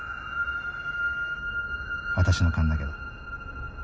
私の勘だけど。